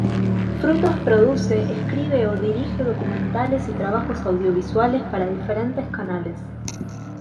Frutos produce, escribe o dirige documentales y trabajos audiovisuales para diferentes canales.